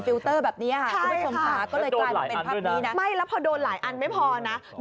ก็เลยกลายเป็นภาพนี้